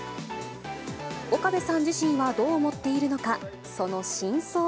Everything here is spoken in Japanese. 岡部さん自身はどう思っているのか。